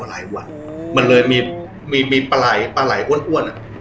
หลายวันอ๋อเหมือนเลยมีมีปลายปลาไหลห้วนอะ